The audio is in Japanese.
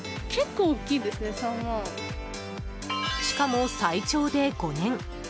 しかも最長で５年。